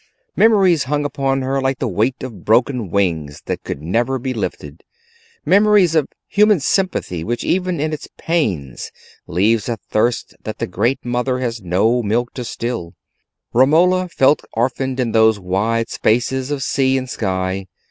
Memories hung upon her like the weight of broken wings that could never be lifted—memories of human sympathy which even in its pains leaves a thirst that the Great Mother has no milk to still. Romola felt orphaned in those wide spaces of sea and sky.